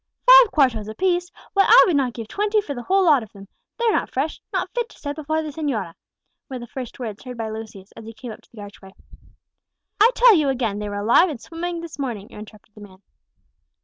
"Five cuartos a piece! why, I would not give twenty for the whole lot of them; they're not fresh not fit to set before the señora!" were the first words heard by Lucius as he came up to the archway. "I tell you again, they were alive and swimming this morning," interrupted the man.